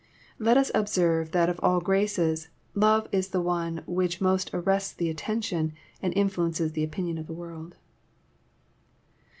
Let us observe that of all graces, love is the one which most arrests the attention and influences the opinion of the world.